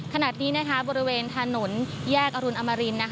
ขณะนี้บริเวณถนนแยกอรุณอมริน